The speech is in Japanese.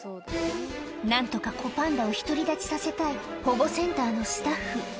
なんとか子パンダを独り立ちさせたい保護センターのスタッフ。